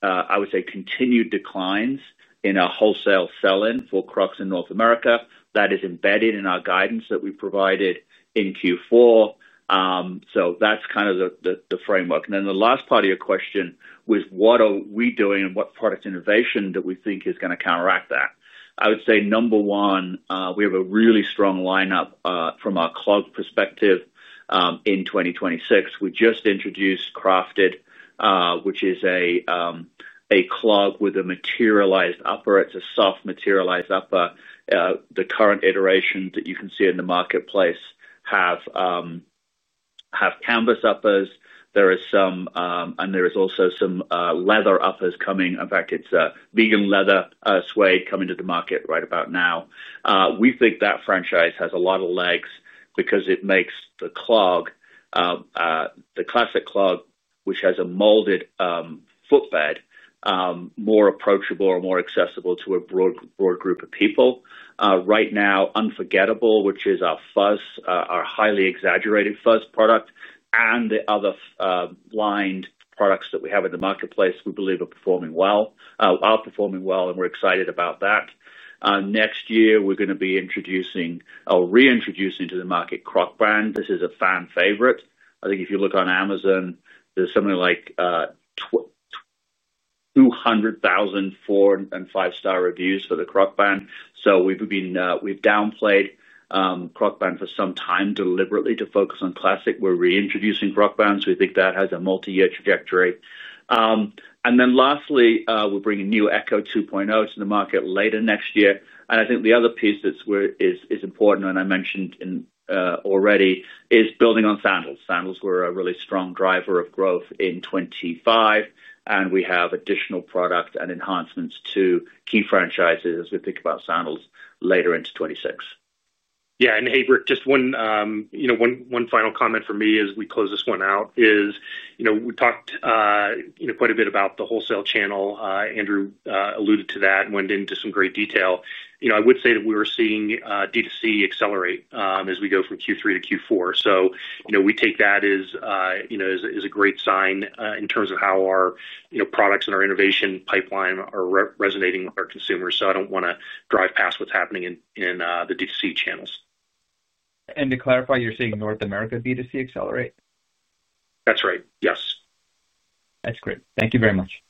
Speaker 3: I would say, continued declines in our wholesale selling for Crocs in North America. That is embedded in our guidance that we provided in Q4. That's kind of the framework. The last part of your question was what are we doing and what product innovation that we think is going to counteract that? I would say number one, we have a really strong lineup from our clog perspective. In 2026 we just introduced Crafted, which is a clog with a materialized upper. It's a soft materialized upper. The current iteration that you can see in the marketplace have canvas uppers and there is also some leather uppers coming. In fact, it's a vegan leather suede coming to the market right about now. We think that franchise has a lot of legs because it makes the clog, the Classic Clog, which has a molded footbed, more approachable or more accessible to a broad group of people. Right now Unforgettable, which is our fuzz, our highly exaggerated fuzz product and the other lined products that we have in the marketplace, we believe are performing well. Are performing well and we're excited about that. Next year we're going to be introducing or reintroducing to the market Crocband. This is a fan favorite. I think if you look on Amazon there's something like 200,000 four and five star reviews for the Crocband. We've downplayed Crocband for some time deliberately to focus on Classic. We're reintroducing Crocbands. We think that has a multi-year trajectory. Lastly, we're bringing new Echo RO to the market later next year. I think the other piece that's important and I mentioned it already is building on sandals. Sandals were a really strong driver of growth in 2025 and we have additional product and enhancements to key franchises as we think about sandals later into 2026.
Speaker 4: Yeah. Hey Rick, just one final comment for me as we close this one out is we talked quite a bit about the wholesale channel. Andrew alluded to that and went into some great detail. I would say that we were seeing D2C accelerate as we go from Q3 to Q4. We take that as a great sign in terms of how our products and our innovation pipeline are resonating with our consumers. I don't want to drive past what's happening in the D2C channels.
Speaker 10: To clarify, you're seeing North America B2C accelerate.
Speaker 4: That's right, yes.
Speaker 10: That's great. Thank you very much.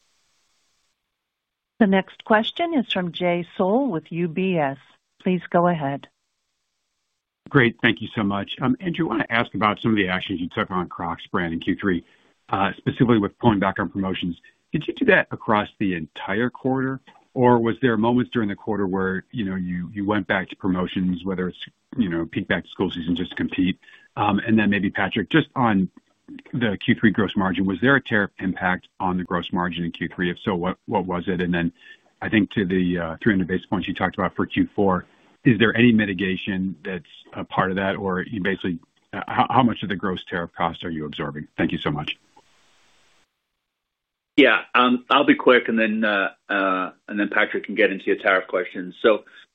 Speaker 1: The next question is from Jay Sole with UBS. Please go ahead.
Speaker 11: Great. Thank you so much. Andrew. I want to ask about some of the actions you took on Crocs brand in Q3, specifically with pulling back on promotions. Did you do that across the entire quarter, or were there moments during the quarter? Quarter where you went back to promotions, whether it's peak back to school season just to compete, and then maybe Patraic, just on. The Q3 gross margin, was there a. Tariff impact on the gross margin in Q3? If so, what was it? I think to the 300 basis points you talked about for Q4, is there any mitigation that's a part of that? Or basically how much of the gross. Tariff cost are you absorbing? Thank you so much.
Speaker 3: Yeah, I'll be quick. Patraic can get into your tariff questions.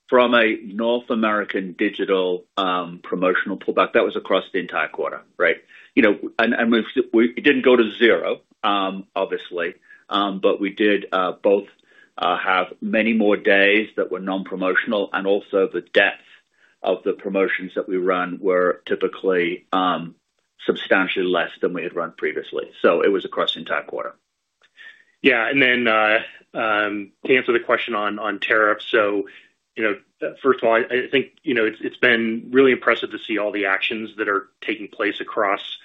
Speaker 3: From a North American digital promotional pullback, that was across the entire quarter. Right. You know, it didn't go to zero, obviously, but we did both have many more days that were non-promotional, and also the depth of the promotions that we run were typically substantially less than we had run previously. It was across the entire quarter.
Speaker 4: Yeah. To answer the question on tariffs, first of all, it's been really impressive to see all the actions that are taking place across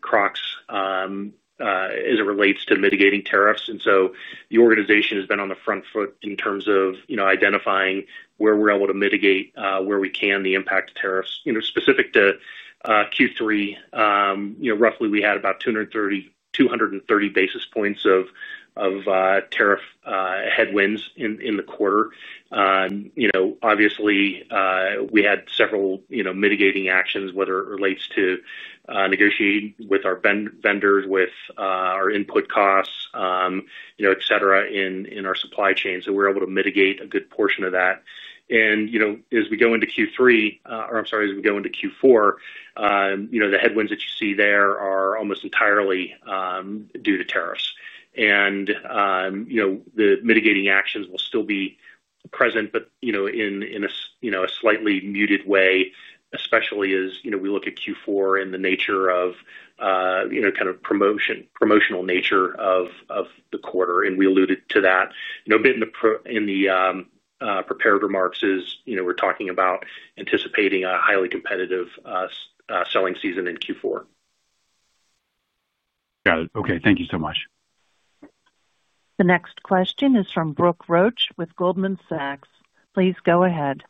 Speaker 4: Crocs as it relates to mitigating tariffs. The organization has been on the front foot in terms of identifying where we're able to mitigate where we can, the impact of tariffs. Specific to Q3, roughly we had about 230 basis points of tariff headwinds in the quarter. We had several mitigating actions, whether it relates to negotiating with our vendors, with our input costs, etcetera in our supply chain. We're able to mitigate a good portion of that. As we go into Q3, or I'm sorry, as we go into Q4, the headwinds that you see there are almost entirely due to tariffs. The mitigating actions will still be present, but in a slightly muted way, especially as we look at Q4 and the kind of promotional nature of the quarter. Alluded to that a bit in the. Prepared remarks, we're talking about anticipating a highly competitive selling season in Q4.
Speaker 11: Got it. Okay, thank you so much.
Speaker 1: The next question is from Brooke Roach with Goldman Sachs. Please go ahead.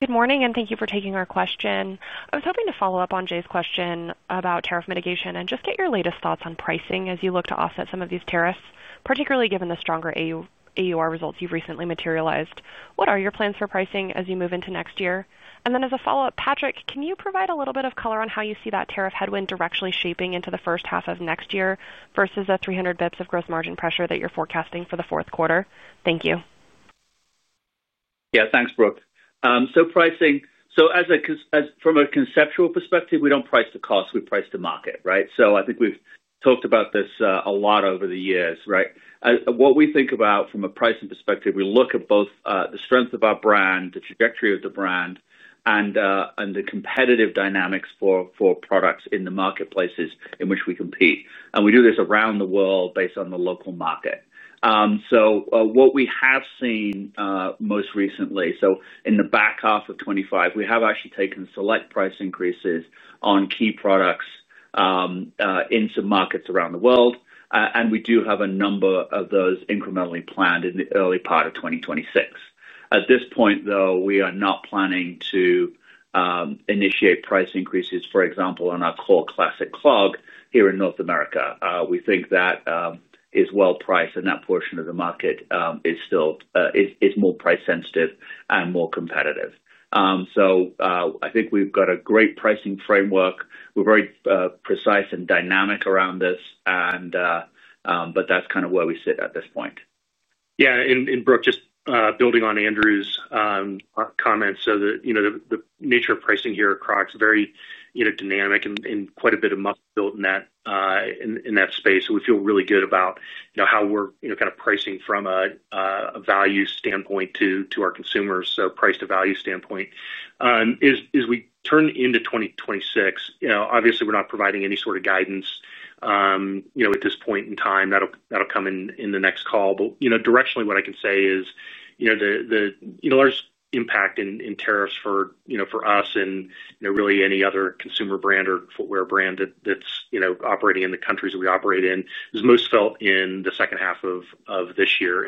Speaker 12: Good morning and thank you for taking our question. I was hoping to follow up on Jay's question about tariff mitigation and just get your latest thoughts on pricing as you look to offset some of these tariffs, particularly given the stronger AUR results you've recently materialized. What are your plans for pricing as you move into next year? As a follow up, Patraic, can you provide a little bit of color on how you see that tariff headwind directly shaping into the first half of next year versus a 300 bps of gross margin pressure that you're forecasting for the fourth quarter? Thank you.
Speaker 3: Yeah, thanks, Brooke. Pricing, as from a conceptual perspective, we don't price the cost, we price the market. I think we've talked about this a lot over the years. What we think about from a pricing perspective, we look at both the strength of our brand, the trajectory of the brand, and the competitive dynamics for products in the marketplaces in which we compete. We do this around the world based on the local market. What we have seen most recently, in the back half of 2025, we have actually taken select price increases on key products in some markets around the world, and we do have a number of those incrementally planned in the early part of 2026. At this point, we are not planning to initiate price increases, for example, on our core Classic Clog here in North America. We think that is well priced, and that portion of the market is more price sensitive and more competitive. I think we've got a great pricing framework. We're very precise and dynamic around this, but that's kind of where we sit at this point.
Speaker 4: Yeah. Brooke, just building on Andrew's comments so that you know the nature of pricing here at Crocs is very dynamic. Quite a bit of muffin built in that space. We feel really good about how we're kind of pricing from a value standpoint to our consumers, so price to value standpoint as we turn into 2026. Obviously, we're not providing any sort of guidance at this point in time; that'll come in the next call. Directionally, what I can say is the large impact in tariffs for us and really any other consumer brand or footwear brand that's operating in the countries that we operate in is most felt in the second half of this year.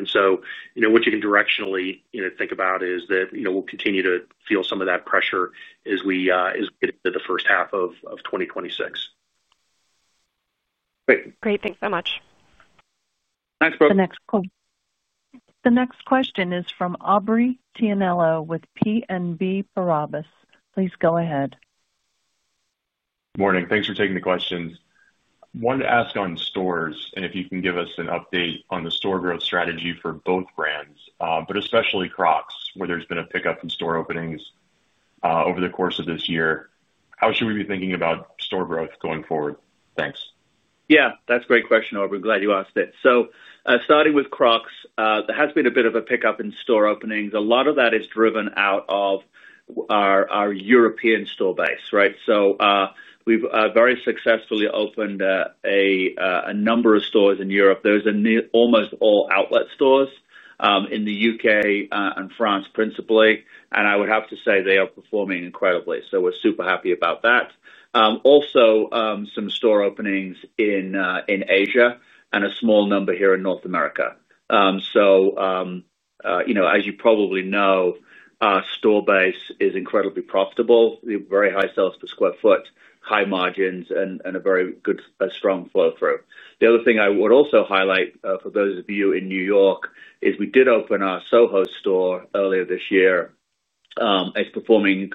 Speaker 4: What you can directionally think about is that we'll continue to feel some of that pressure as we get into the first half of 2026.
Speaker 12: Great. Great. Thanks so much.
Speaker 3: Thanks, bro.
Speaker 1: The next question is from Aubrey Tianello with BNP Paribas. Please go ahead.
Speaker 13: Morning. Thanks for taking the questions. Wanted to ask on stores and if you can give us an update on the store growth strategy for both brands, but especially Crocs, where there's been a pickup in store openings over the course of this year. How should we be thinking about store growth going forward? Thanks.
Speaker 3: Yeah, that's a great question, Aubrey. Glad you asked it. Starting with Crocs, there has been a bit of a pickup in store openings. A lot of that is driven out of our European store base. Right? We have very successfully opened a number of stores in Europe. Those are almost all outlet stores in the U.K. and France principally. I would have to say they are performing incredibly. We are super happy about that. Also, some store openings in Asia and a small number here in North America. As you probably know, our store base is incredibly profitable. Very high sales per square foot, high margins, and a very good, strong flow through. The other thing I would also highlight for those of you in New York is we did open our Soho store earlier this year. It's performing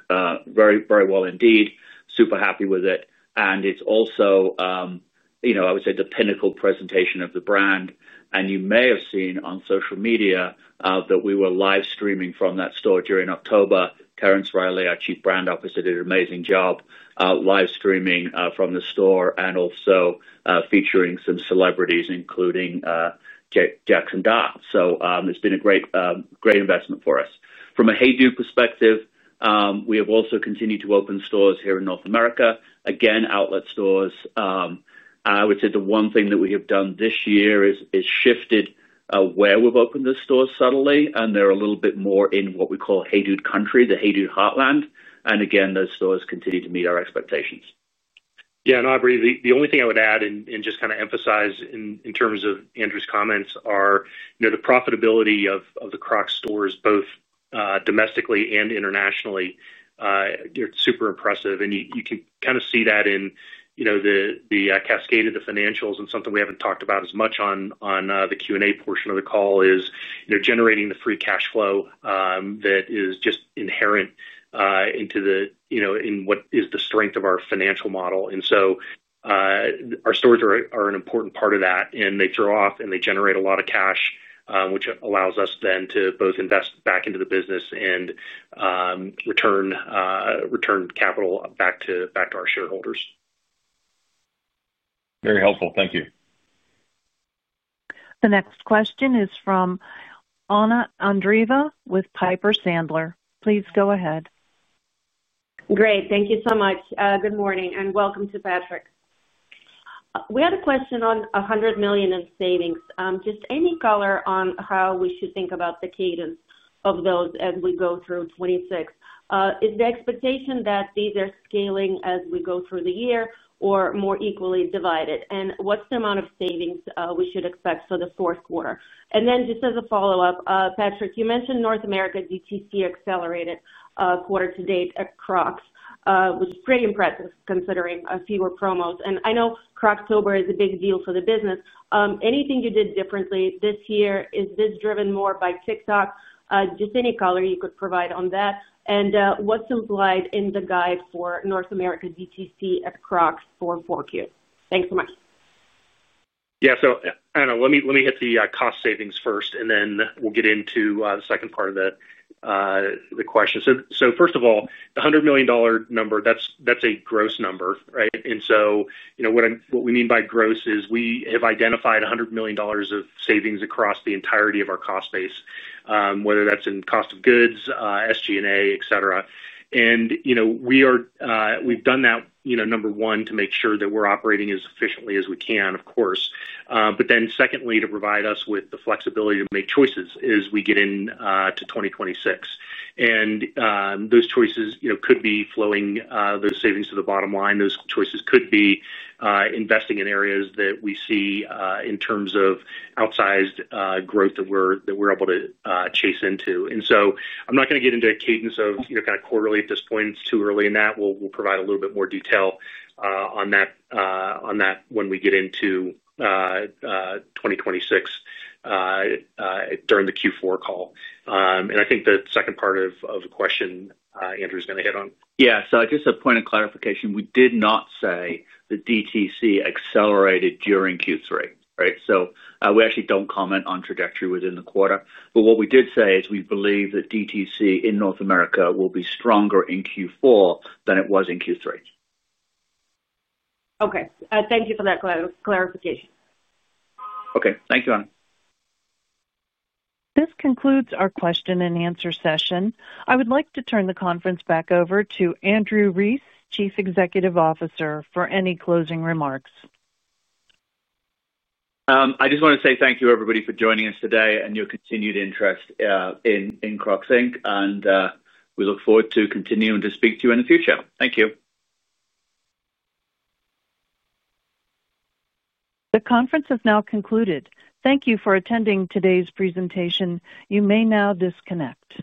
Speaker 3: very, very well indeed. Super happy with it. It's also, I would say, the pinnacle presentation of the brand. You may have seen on social media that we were live streaming from that store during October. Terence Reilly, our Chief Brand Officer, did an amazing job live streaming from the store and also featuring some celebrities, including Jackson Dart. It's been a great investment for us from a HEYDUDE perspective. We have also continued to open stores here in North America, again, outlet stores. I would say the one thing that we have done this year is shifted where we've opened the stores subtly and they're a little bit more in what we call HEYDUDE country, the HEYDUDE heartland. Those stores continue to meet our expectations.
Speaker 4: Yeah. Aubrey, the only thing I would add and just kind of emphasize in terms of Andrew's comments are the profitability of the Crocs stores, both domestically and internationally. It's super impressive. You can kind of see that in the cascade of the financials, and something we haven't talked about as much on the Q&A portion of the call is generating the free cash flow that is just inherent in what is the strength of our financial model. Our stores are an important part of that, and they throw off and generate a lot of cash, which allows us to both invest back into the business and return capital back to our shareholders.
Speaker 13: Very helpful. Thank you.
Speaker 1: The next question is from Anna Andreeva with Piper Sandler. Please go ahead.
Speaker 14: Great. Thank you so much. Good morning and welcome to. Patraic. We had a question on $100 million in savings. Just any color on how we should think about the cadence of those as we go through 2026. Is the expectation that these are scaling as we go through the year or more equally divided, and what's the amount of savings we should expect for the fourth quarter? As a follow-up, Patraic, you mentioned North America D2C accelerated quarter to date across, which is pretty impressive considering fewer promos. I know Croctober is a big deal for the business. Anything you did differently this year, is this driven more by TikTok? Just any color you could provide on that and what's implied in the guide for North. America D2C at Crocs for 4Q. Thanks so much.
Speaker 4: Yeah. Anna, let me hit the cost. Savings first, and then we'll get into the second part of the. First of all, the $100 million. Number, that's a gross number. Right. What we mean by gross is we have identified $100 million of savings across the entirety of our cost base, whether that's in cost of goods, SG&A, et cetera. We have done. That, you know, number one, to make. Sure that we're operating as efficiently as we can, of course, but then secondly, to provide us with the flexibility to make choices as we get into 2026. Those choices could be flowing those savings to the bottom line. Those choices could be investing in areas that we see in terms of outsized growth that we're able to chase into. I'm not going to get into a cadence of kind of quarterly at this point. It's too early in that. We'll provide a little bit more detail on that when we get into 2026 during the Q4 call. I think the second part of the question Andrew is going to hit on.
Speaker 3: Yeah, just a point of clarification. We did not say that D2C accelerated during Q3. Right. We actually don't comment on trajectory within the quarter, but what we did say is we believe that D2C in North America will be stronger in Q4 than it was in Q3.
Speaker 14: Okay. Thank you for that clarification.
Speaker 3: Okay. Thank you, Anna.
Speaker 1: This concludes our question and answer session. I would like to turn the conference back over to Andrew Rees, Chief Executive Officer, for any closing remarks.
Speaker 3: I just want to say thank you, everybody, for joining us today and your continued interest in Crocs, Inc. We look forward to continuing to speak to you. You in the future. Thank you.
Speaker 1: The conference has now concluded. Thank you for attending today's presentation. You may now disconnect.